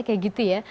kayak gitu ya